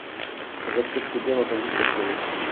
J’accepte bien entendu cette donnée.